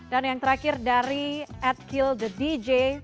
dan yang terakhir dari atkill the dj